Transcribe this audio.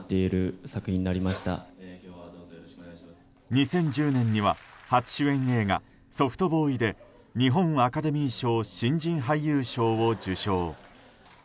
２０１０年には初主演映画「ソフトボーイ」で日本アカデミー賞新人俳優賞を受賞。